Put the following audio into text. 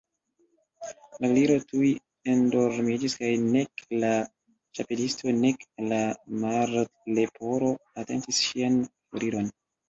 La Gliro tuj endormiĝis; kaj nek la Ĉapelisto nek la Martleporo atentis ŝian foriron.